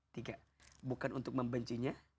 tiga bukan untuk membencinya